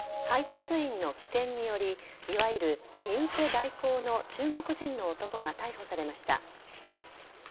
配達員の機転によりいわゆる荷受け代行の中国人の男が逮捕されました。